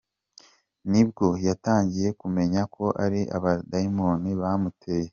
Ni bwo yatangiye kumenya ko ari abadayimoni bamuteye.